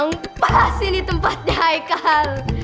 yang pas ini tempatnya haikal